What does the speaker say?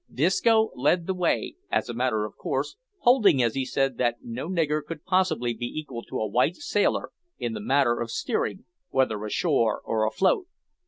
Disco led the way, as a matter of course, holding, as he said, that no nigger could possibly be equal to a white sailor in the matter of steering, whether ashore or afloat.